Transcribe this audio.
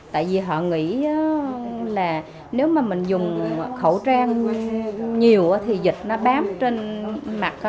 tại vì họ nghĩ là nếu mà mình dùng khẩu trang nhiều thì dịch nó bám trên mặt